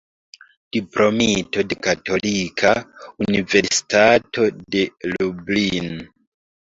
Diplomito de Katolika Universitato de Lublin.